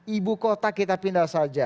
ibu kota kita pindah saja